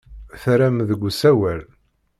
Terram deg usawal.